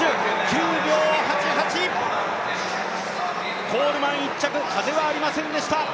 ９秒８８、コールマン１着、風はありませんでした。